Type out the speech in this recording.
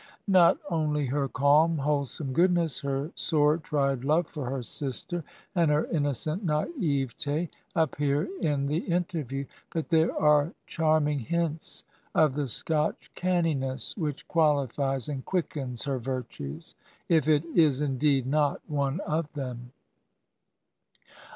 Not only her calm, wholesome goodness, her sore tried love for her sister, and her innocent naivetS appear in the interview, but there are charming hints of the Scotch canniness which quaUfies and quickens her virtues, if it is indeed not one of them.